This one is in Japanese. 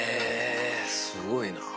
すごいなぁ。